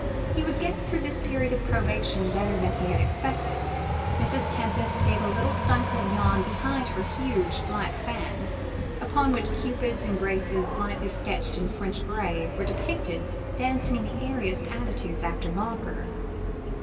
He was getting through this period of probation better than he had expected. Mrs. Tempest gave a little stifled yawn behind her huge black fan, upon which Cupids and Graces, lightly sketched in French gray, were depicted dancing in the airiest attitudes, after Boucher.